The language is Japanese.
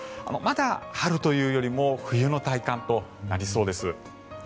まだ春というよりも冬の体感となりそうです。